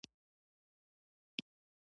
هغه ولیدل چې یو عقاب یو پسه یووړ.